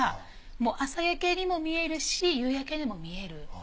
朝焼けにも見えるし夕焼けにも見える。